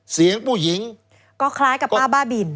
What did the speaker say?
เสียงผู้หญิงก็คล้ายกับป้าบ้าบิน